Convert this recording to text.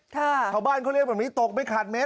ครับข้าวบ้านก็เรียกว่าแบบนี้ตกไม่ขาดเม็ด